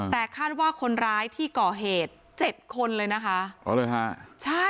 แต่คาดว่าคนร้ายที่ก่อเหตุ๗คนเลยนะคะ